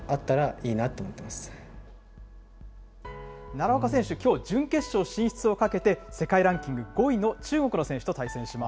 奈良岡選手、きょう、準決勝進出をかけて、世界ランキング５位の中国の選手と対戦しま